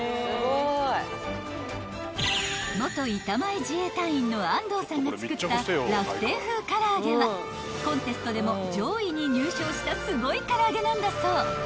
［元板前自衛隊員の安藤さんが作ったラフテー風空上げはコンテストでも上位に入賞したすごい空上げなんだそう］